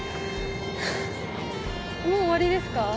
もう終わりですか？